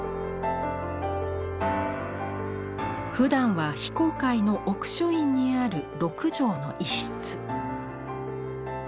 ふだんは非公開の奥書院にある６畳の一室。